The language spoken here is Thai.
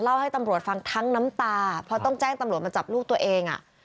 ให้ตำรวจฟังทั้งน้ำตาเพราะต้องแจ้งตำรวจมาจับลูกตัวเองอ่ะ